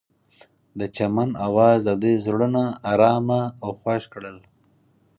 د چمن اواز د دوی زړونه ارامه او خوښ کړل.